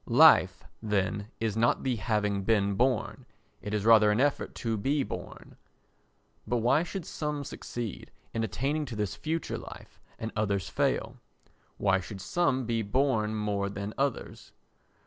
Life, then, is not the having been born—it is rather an effort to be born. But why should some succeed in attaining to this future life and others fail? Why should some be born more than others?